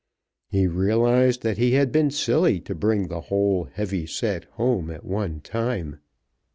He realized that he had been silly to bring the whole heavy set home at one time.